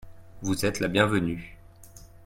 Vous êtes la bienvenue.